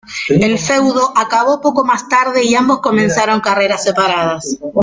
El feudo acabó poco más tarde, y ambos comenzaron carreras separadas.